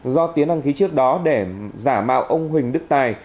do tiến đăng ký trước đó để giả mạo ông huỳnh đức tài